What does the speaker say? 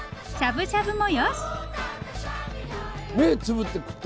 しゃぶしゃぶもよし。